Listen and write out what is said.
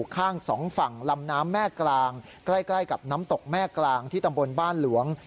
ใกล้กับน้ำตกแม่กลางที่ตำบลบ้านหลวง